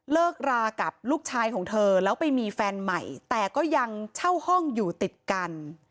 เลิกรากับลูกชายของเธอแล้วไปมีแฟนใหม่แต่ก็ยังเช่าห้องอยู่ติดกัน